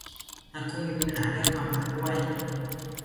หากคุณมีปัญหาเรื่องความรักด้วย